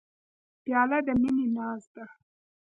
پیاله د مینې ناز ده.